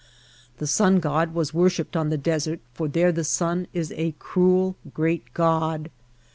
The sun god was wor shiped on the desert for there the sun is a cruel, great god.